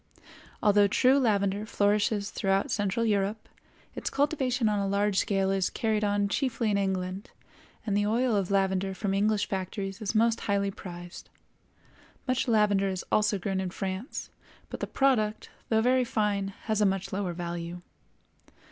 Although true lavender flourishes throughout central Europe, its cultivation on a large scale is carried on chiefly in England, and the oil of lavender from English factories is most highly prized. Much lavender is also grown in France, but the product, though very fine, has a much lower value.